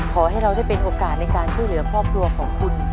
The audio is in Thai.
ขอให้เราได้เป็นโอกาสในการช่วยเหลือครอบครัวของคุณ